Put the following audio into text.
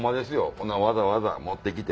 こんなんわざわざ持って来て。